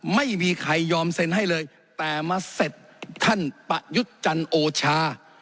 ไม่มีใครยอมเซ็นให้เลยแต่มาเสร็จท่านประยุทธ์จันโอชา